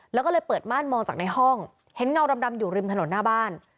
แล้วก็เลยเปิดม่านมองจากในห้องเห็นเงาดำอยู่ริมถนนหน้าบ้าน